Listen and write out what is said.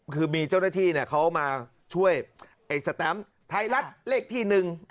คือมีเจ้าหน้าที่เขามาช่วยไอ้สแตมป์ไทยรัฐเลขที่หนึ่ง